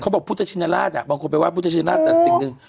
เขาบอกพุทธชินลาศบางคนไปไหว้พุทธชินลาศแต่สิ่งหนึ่ง